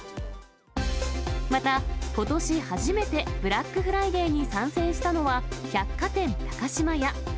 また、ことし初めてブラックフライデーに参戦したのは、百貨店、高島屋。